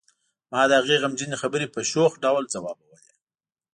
ما د هغې غمجنې خبرې په شوخ ډول ځوابولې